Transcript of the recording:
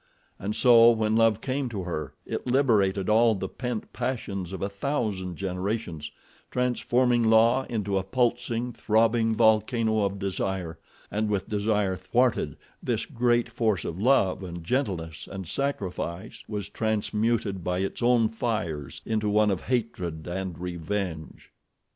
And so when love came to her it liberated all the pent passions of a thousand generations, transforming La into a pulsing, throbbing volcano of desire, and with desire thwarted this great force of love and gentleness and sacrifice was transmuted by its own fires into one of hatred and revenge.